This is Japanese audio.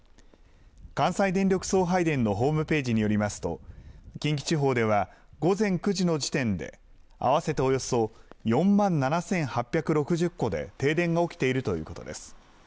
関西電力送配電のホームページによりますと、近畿地方では午前９時の時点で、合わせておよそ４万７８６０戸で停電が起きているということです。